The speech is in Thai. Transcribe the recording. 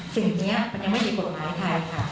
สิ่งนี้มันยังไม่มีกฎหมายไทยค่ะ